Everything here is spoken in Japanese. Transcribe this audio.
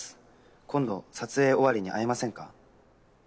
今度撮影終わりに会えませんか？」。